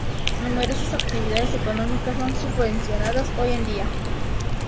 Numerosas actividades económicas son subvencionadas hoy en día.